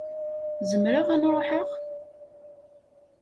Zemreɣ ad n-ṛuḥeɣ?